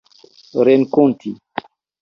renkonti